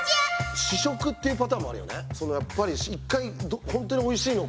試食っていうパターンもあるよね？